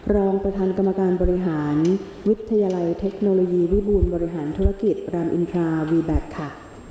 รองประธานกรรมการบริหารวิทยาลัยเทคโนโลยีวิบูรณ์บริหารธุรกิจรามอินทราวีแบคค่ะ